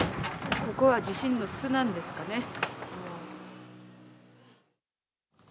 ここは地震の巣なんですかね。